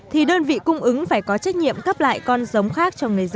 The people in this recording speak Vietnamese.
thì đơn vị cung ứng phải có trách nhiệm cấp lại con giống khác cho người dân